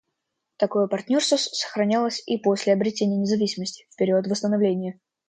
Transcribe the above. Такое партнерство сохранялось и после обретения независимости, в период восстановления.